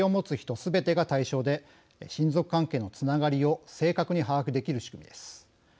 すべてが対象で親族関係のつながりを正確に把握できる仕組みです。